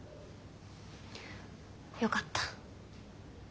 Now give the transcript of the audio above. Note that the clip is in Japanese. よかった。